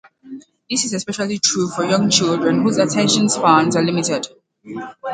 This is especially true for young children, whose attention spans are limited.